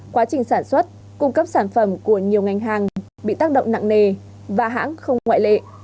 quá trình sản xuất cung cấp sản phẩm của nhiều ngành hàng bị tác động nặng nề và hãng không ngoại lệ